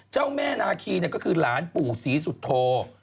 เจ้าแม่นาคีก็คือหลานปู่ศรีสุโธ